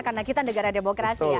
karena kita negara demokrasi ya